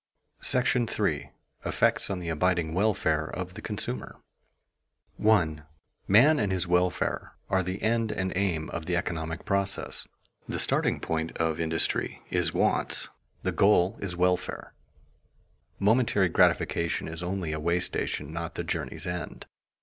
§ III. EFFECTS ON THE ABIDING WELFARE OF THE CONSUMER [Sidenote: Production vs. welfare] 1. Man and his welfare are the end and aim of the economic process. The starting point of industry is wants; the goal is welfare. Momentary gratification is only a way station, not the journey's end.